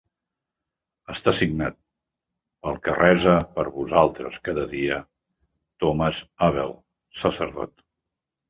Està signat "pel que resa per vosaltres cada dia, Thomas Abell, sacerdot".